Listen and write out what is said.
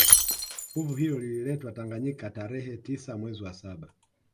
Fuvu hilo lililetwa Tanganyika tarehe tisa mwezi wa saba